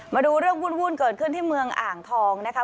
มาดูเรื่องวุ่นเกิดขึ้นที่เมืองอ่างทองนะคะ